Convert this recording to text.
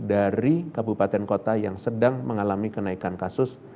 dari kabupaten kota yang sedang mengalami kenaikan kasus